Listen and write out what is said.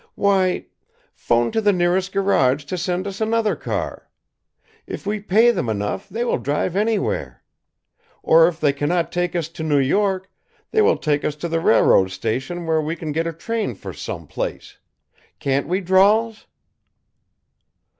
Why 'phone to the nearest garage to send us another car. If we pay them enough they will drive anywhere. Or if they cannot take us to New York, they will take us to the railroad station where we can get a train for some place. Can't we, Drawls?"